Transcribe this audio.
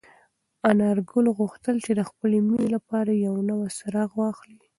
انارګل غوښتل چې د خپلې مېنې لپاره یو نوی څراغ واخلي.